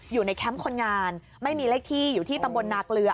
แคมป์คนงานไม่มีเลขที่อยู่ที่ตำบลนาเกลือ